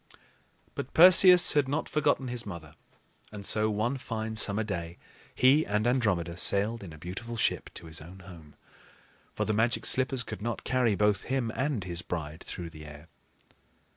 But Perseus had not forgotten his mother; and so, one fine summer day, he and Andromeda sailed in a beautiful ship to his own home; for the Magic Slippers could not carry both him and his bride through the air.